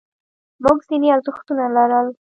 موږ ځینې ارزښتونه لرل.